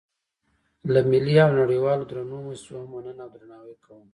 له ملي او نړیوالو درنو موسسو هم مننه او درناوی کوم.